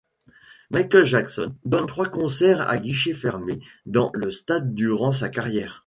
Michael Jackson donne trois concerts à guichets fermés dans le stade durant sa carrière.